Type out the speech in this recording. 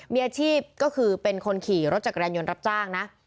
มีอาชีพก็คือเป็นคนขี่รถจักรยานยนต์รับจ้างนะ